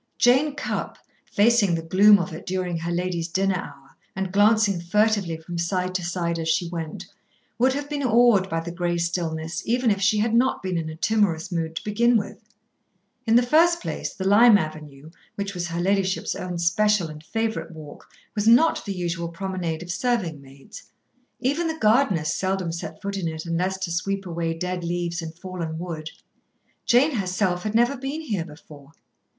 Jane Cupp, facing the gloom of it during her lady's dinner hour, and glancing furtively from side to side as she went, would have been awed by the grey stillness, even if she had not been in a timorous mood to begin with. In the first place, the Lime Avenue, which was her ladyship's own special and favourite walk, was not the usual promenade of serving maids. Even the gardeners seldom set foot in it unless to sweep away dead leaves and fallen wood. Jane herself had never been here before.